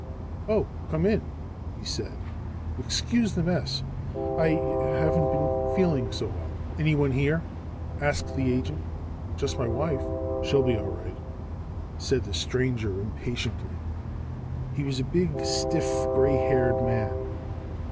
"Oh come in," he said "Excuse the mess. I haven't been feeling so well." "Anyone here?" asked the agent. "Just my wife." "She'll be all right," said the stranger impatiently. He was a big, stiff, gray haired man.